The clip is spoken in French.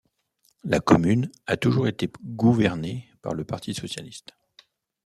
La commune a toujours été gouvernée par le Parti socialiste.